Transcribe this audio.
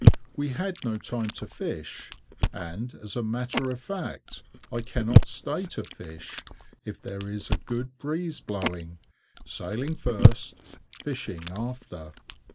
We had no time to fish, and as a matter of fact I cannot stay to fish, if there is a good breeze blowing; sailing first, fishing after!